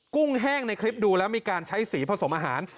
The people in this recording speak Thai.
ุ้งแห้งในคลิปดูแล้วมีการใช้สีผสมอาหาร